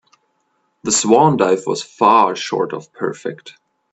The swan dive was far short of perfect.